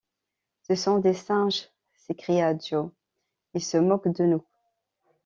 Ce sont des singes, s’écria Joe, ils se moquent de nous!